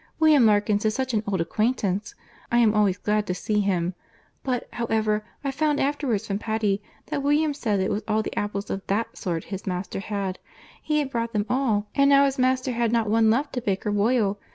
William Larkins is such an old acquaintance! I am always glad to see him. But, however, I found afterwards from Patty, that William said it was all the apples of that sort his master had; he had brought them all—and now his master had not one left to bake or boil.